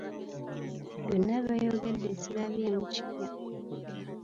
Byonna by'ayogedde sirabyemu kipya.